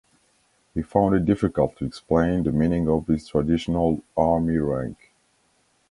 He found it difficult to explain the meaning of his "traditional" army rank.